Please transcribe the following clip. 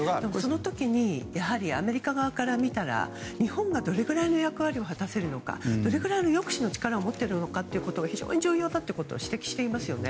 その時にアメリカ側から見たら日本がどれくらいの役割を果たせるのかどれくらいの抑止の力を持っているかが非常に重要だと指摘していますよね。